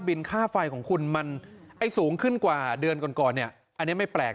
บินค่าไฟของคุณมันสูงขึ้นกว่าเดือนก่อนอันนี้ไม่แปลก